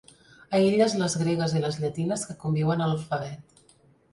Aïlles les gregues i les llatines que conviuen a l'alfabet.